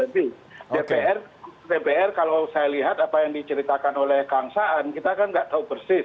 dpr kalau saya lihat apa yang diceritakan oleh kang saan kita kan nggak tahu persis